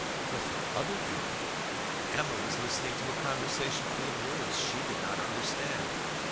With her other ear Emma was listening to a conversation full of words she did not understand.